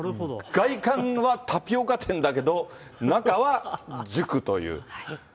外観はタピオカ店だけど、中は塾という。